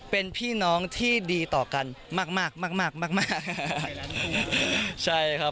เป็นพี่น้องที่ดีต่อกันมากด้ายแลนด์ครับ